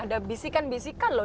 ada bisikan bisikan loh